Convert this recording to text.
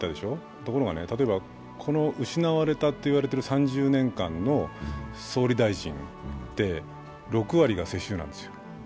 ところが例えば、失われたと言われているこの３０年間の総理大臣、６割が世襲なんですよ。